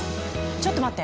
ちょっと待って！